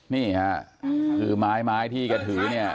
นี่ค่ะคือไม้ที่แกถือเนี่ย